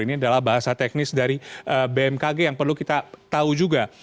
ini adalah bahasa teknis dari bmkg yang perlu kita tahu juga